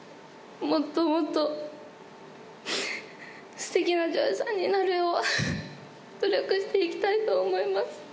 もっともっとステキな女優さんになるよう努力して行きたいと思います。